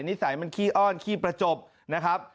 นิสัยมันขี้อ้อนขี้ประจบนะครับ